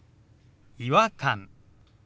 「違和感」。